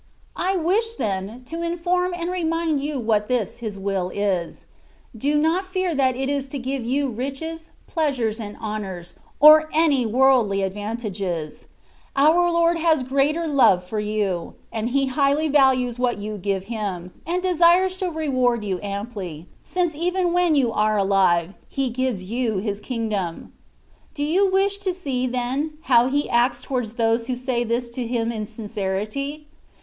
I wish, then, to inform and remind you what this His will is ; do not fear that it is to give you riches, pleasures, and honours, or any worldly advantages; our Lord has greater love for you, and He highly values what you give Him, and desires to reward you amply, since even when you are alive. He gives you His Kingdom. Do you wish to see, then, how He acts towards those who say this to Him in sincerity?